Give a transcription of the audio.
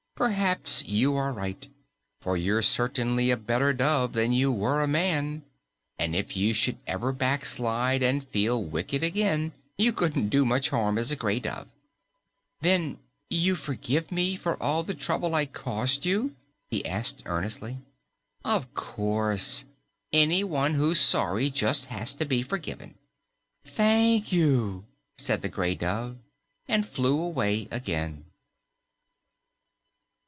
"Perhaps you are right, for you're certainly a better dove than you were a man, and if you should ever backslide an' feel wicked again, you couldn't do much harm as a gray dove." "Then you forgive me for all the trouble I caused you?" he asked earnestly. "Of course. Anyone who's sorry just has to be forgiven." "Thank you," said the gray dove, and flew away again.